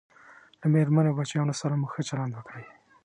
له میرمنې او بچیانو سره مو ښه چلند وکړئ